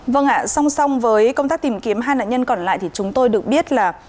vâng ạ song song với công tác tìm kiếm hai nạn nhân còn lại thì chúng tôi được biết là